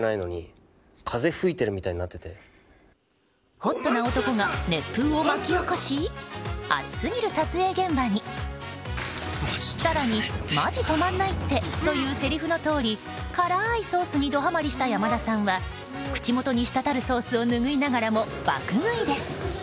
ホットな男が熱風を巻き起こし熱すぎる撮影現場に更にマジ止まんないって！というせりふのとおり辛いソースにドハマりした山田さんは、口元に滴るソースを拭いながらも爆食いです。